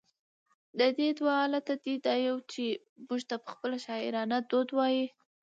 د دې دوه علته دي، يو دا چې، موږ ته خپله شاعرانه دود وايي،